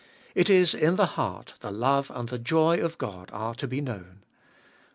It is In the heart the love and the Joy of God are to be known.